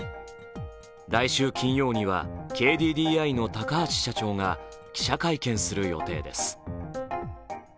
来週金曜にはＫＤＤＩの高橋社長が記者会見する予定です。